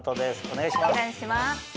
お願いします。